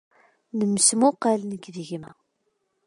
Nemmesmuqal nekk d gma.